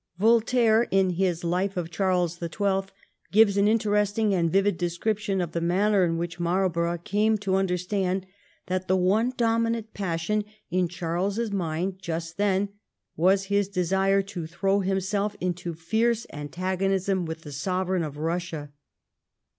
Voltaire in his Life of Charles the Twelfth gives an interesting and vivid description of the manner in which Marlborough came to understand that the one dominant passion in Charles's mind, just then, was his desire to throw himself into fierce antagoniem with the Sovereign of Eussia.